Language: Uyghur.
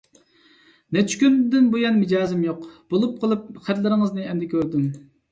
نەچچە كۈندىن بۇيان مىجەزىم يوق بولۇپ قېلىپ خەتلىرىڭىزنى ئەمدى كۆردۈم.